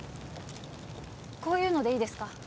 こういうのでいいですか？